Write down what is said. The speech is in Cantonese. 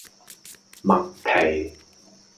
麥皮